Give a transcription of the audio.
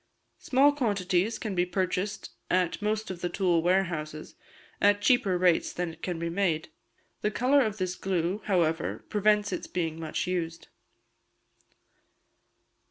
Small quantities can be purchased at most of the tool warehouses, at cheaper rates than it can be made. The colour of this glue, however, prevents its being much used.